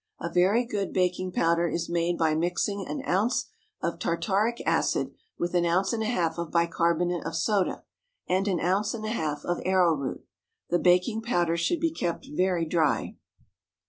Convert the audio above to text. A very good baking powder is made by mixing an ounce of tartaric acid with an ounce and a half of bicarbonate of soda, and an ounce and a half of arrowroot. The baking powder should be kept very dry.